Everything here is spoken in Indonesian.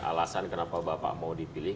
alasan kenapa bapak mau dipilih